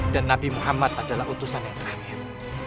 dan nabi muhammad adalah utusan yang terakhir